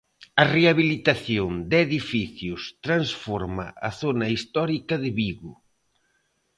A rehabilitación de edificios transforma a zona histórica de Vigo.